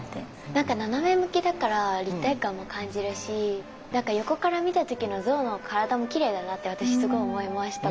なんか斜め向きだから立体感も感じるし横から見た時の像の体もきれいだなって私すごい思いました